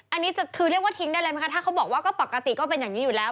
อันนี้จะคือเรียกว่าทิ้งได้เลยไหมคะถ้าเขาบอกว่าก็ปกติก็เป็นอย่างนี้อยู่แล้ว